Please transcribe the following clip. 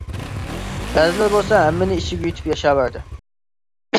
بەزىلەر بولسا ھەممىنى ئىچىگە يۇتۇپ ياشاۋەردى.